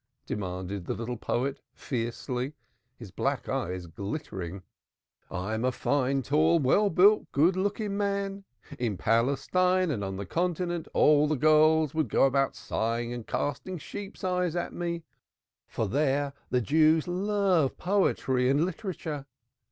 demanded the little poet fiercely, his black eyes glittering. "I am a fine tall well built good looking man. In Palestine and on the Continent all the girls would go about sighing and casting sheep's eyes at me, for there the Jews love poetry and literature.